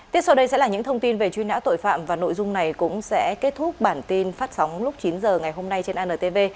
tiếp sau đây sẽ là những thông tin về truy nã tội phạm và nội dung này cũng sẽ kết thúc bản tin phát sóng lúc chín h ngày hôm nay trên antv